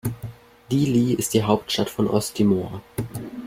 Dili ist die Hauptstadt von Osttimor.